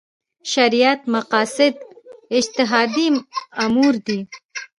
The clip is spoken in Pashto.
شریعت مقاصد اجتهادي امور دي.